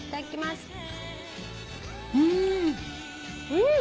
うん！